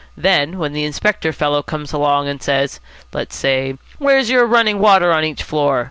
Then, when the inspector fellow comes along, and says, let's say, 'Where's your running water on each floor?